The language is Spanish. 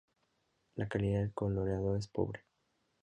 La calidad del coloreado es pobre.